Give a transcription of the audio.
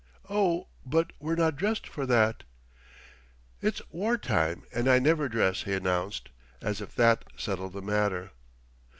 "Oh, but we're not dressed for that!" "It's war time and I never dress," he announced, as if that settled the matter.